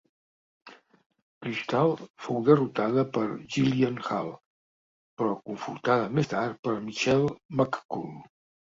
Kristal fou derrotada per Jillian Hall, però confortada més tard per Michelle McCool.